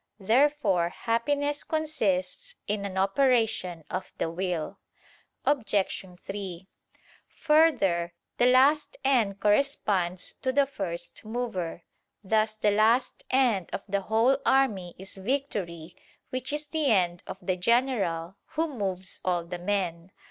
Therefore happiness consists in an operation of the will. Obj. 3: Further, the last end corresponds to the first mover: thus the last end of the whole army is victory, which is the end of the general, who moves all the men.